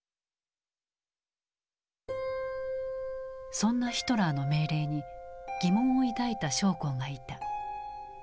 そんなヒトラーの命令に疑問を抱いた将校がいた。